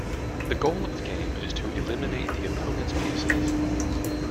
The goal of the game is to eliminate the opponent's pieces.